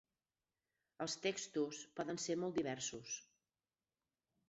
Els textos poden ser molt diversos.